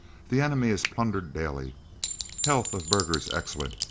The enemy is plundered daily. Health of burghers excellent.